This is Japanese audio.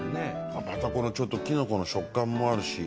またこのきのこの食感もあるし。